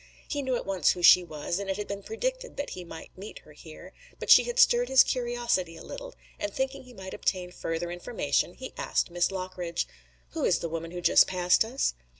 He knew at once who she was, and it had been predicted that he might meet her there, but she had stirred his curiosity a little, and thinking he might obtain further information he asked Miss Lockridge: "Who is the woman who just passed us?"